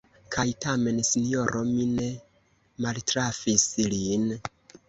Kaj tamen, sinjoro, mi ne maltrafis lin.